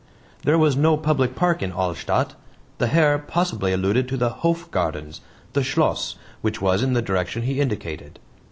There was no public park in Alstadt! The Herr possibly alluded to the Hof Gardens the Schloss, which was in the direction he indicated.